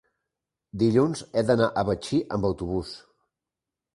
Dilluns he d'anar a Betxí amb autobús.